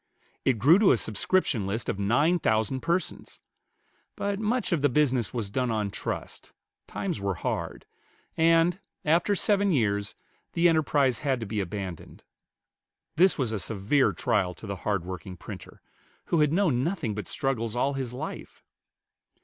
It grew to a subscription list of nine thousand persons; but much of the business was done on trust, times were hard, and, after seven years, the enterprise had to be abandoned. This was a severe trial to the hard working printer, who had known nothing but struggles all his life.